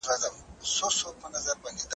په کڅوڼي کي مي یو زوړ او رنګین قلم موندلی و.